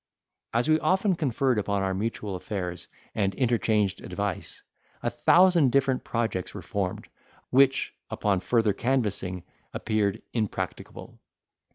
As we often conferred upon our mutual affairs, and interchanged advice, a thousand different projects were formed, which, upon further canvassing, appeared impracticable.